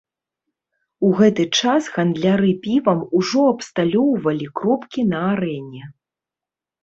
У гэты час гандляры півам ужо абсталёўвалі кропкі на арэне.